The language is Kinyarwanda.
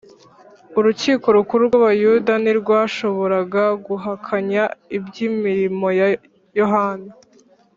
Urukiko Rukuru rw’Abayuda ntirwashoboraga guhakanya iby’imirimo ya Yohana